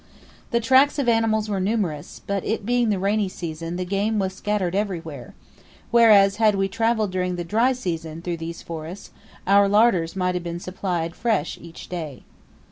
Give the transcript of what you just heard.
The tracks of animals were numerous, but it being the rainy season the game was scattered everywhere; whereas, had we travelled during the dry season through these forests our larders might have been supplied fresh each day.